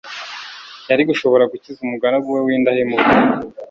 Yari gushobora gukiza umugaragu we w'indahemuka